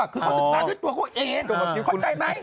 ก็ศึกษาเป็นตัวเค้าเอง